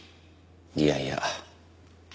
いやいや。